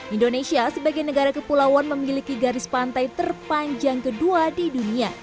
indonesia sebagai negara kepulauan memiliki garis pantai terpanjang kedua di dunia